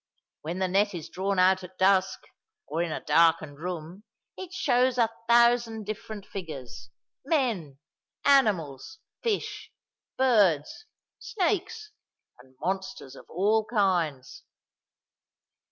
When the net is drawn out at dusk, or in a darkened room, it shows a thousand different figures—men, animals, fish, birds, snakes, and monsters of all kinds."